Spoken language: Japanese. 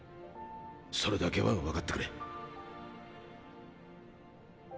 それだけは分かってくれ。